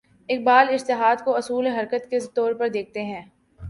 اقبال اجتہاد کو اصول حرکت کے طور پر دیکھتے ہیں۔